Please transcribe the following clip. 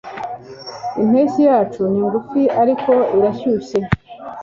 Impeshyi yacu ni ngufi ariko irashyushye